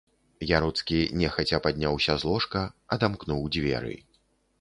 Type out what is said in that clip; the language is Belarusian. Яроцкі нехаця падняўся з ложка, адамкнуў дзверы.